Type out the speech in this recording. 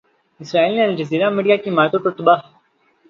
اسرائیل نے Al Jazeera media کی عمارتوں کو تباہ